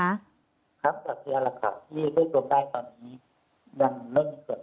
ครับสำเริงแหละครับที่ได้สวมได้ตอนนี้